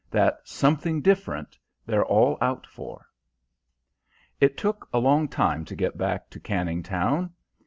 That something different they're all out for." It took a long time to get back to Canning Town.